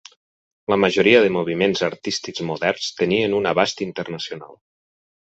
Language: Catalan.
La majoria de moviments artístics moderns tenien un abast internacional.